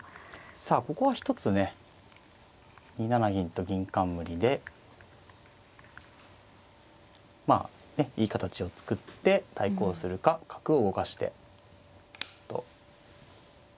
さあここは一つね２七銀と銀冠でまあねいい形を作って対抗するか角を動かしてと。